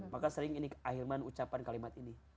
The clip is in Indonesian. maka sering ini ahilman ucapan kalimat ini